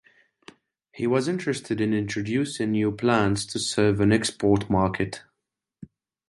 He was interested in introducing new plants to serve an export market.